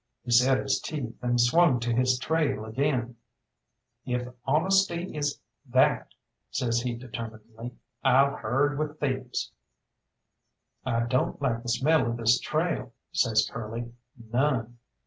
He set his teeth and swung to his trail again. "If honesty is that," says he determinedly, "I'll herd with thieves." "I don't like the smell of this trail," says Curly, "none.